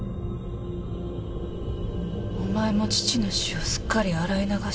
お前も父の死をすっかり洗い流してしまった。